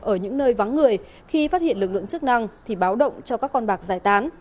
ở những nơi vắng người khi phát hiện lực lượng chức năng thì báo động cho các con bạc giải tán